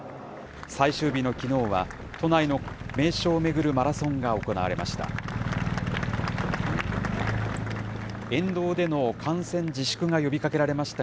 最終日のきのうは、都内の名所を巡るマラソンが行われました。